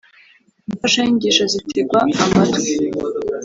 imfashanyigisho zitegwa amatwi,